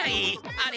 あれ？